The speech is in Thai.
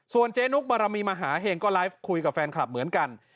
เจ๊นุกบารมีมหาเห็งก็ไลฟ์คุยกับแฟนคลับเหมือนกัน